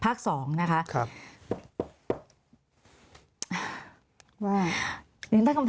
ทำไมรัฐต้องเอาเงินภาษีประชาชน